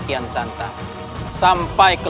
tidak bisa dibaga honored